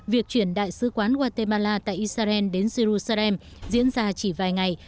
việc chuyển đại sứ quán guatemala tại israel đến jerusalem diễn ra chỉ vài ngày